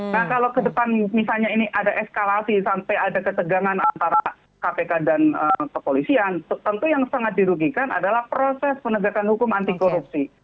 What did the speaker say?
nah kalau ke depan misalnya ini ada eskalasi sampai ada ketegangan antara kpk dan kepolisian tentu yang sangat dirugikan adalah proses penegakan hukum anti korupsi